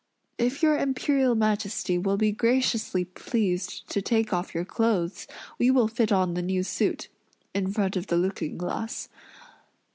"If your Imperial Majesty will be graciously pleased to take off your clothes, we will fit on the new suit, in front of the looking glass."